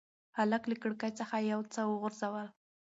هلک له کړکۍ څخه یو څه وغورځول.